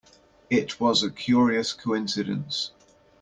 It was a curious coincidence.